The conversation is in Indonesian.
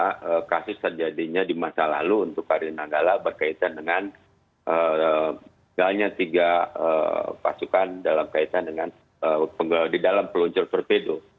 karena kasus terjadinya di masa lalu untuk kri nanggala berkaitan dengan tiga pasukan dalam peluncur torpedo